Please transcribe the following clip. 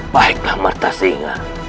baiklah marta singa